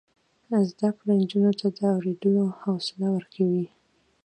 زده کړه نجونو ته د اوریدلو حوصله ورکوي.